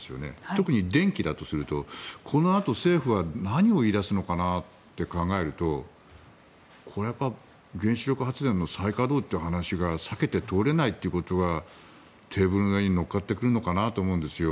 特に電気だとするとこのあと政府は何を言い出すのかなって考えるとこれ、やっぱり原子力発電の再稼働という話が避けて通れないということがテーブルの上に乗っかってくるのかなと思うんですよ。